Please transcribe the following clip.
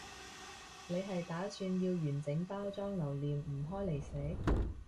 你係打算要完整包裝留念唔開嚟食？